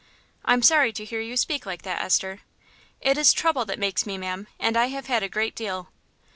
"I'm sorry to hear you speak like that, Esther." "It is trouble that makes me, ma'am, and I have had a great deal."